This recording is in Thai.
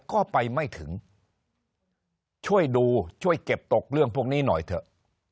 ก็ไปไม่ถึงช่วยดูช่วยเก็บตกเรื่องพวกนี้หน่อยเถอะ